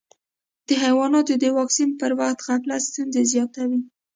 د حیواناتو د واکسین پر وخت غفلت ستونزې زیاتوي.